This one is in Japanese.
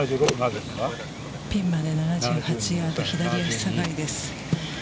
ピンまで７８ヤード、左足下がりです。